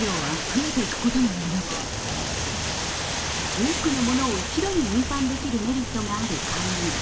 多くのものを一度に運搬できるメリットがある海運。